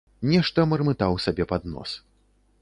Нешта мармытаў сабе пад нос.